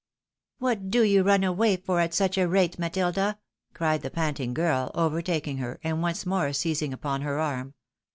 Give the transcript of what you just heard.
" What do you run away for at such a rate, Matilda? " cried the panting girl, overtaking her, and once more seizing upon her arm.